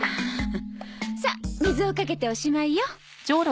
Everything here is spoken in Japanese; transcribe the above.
さっ水をかけておしまいよ。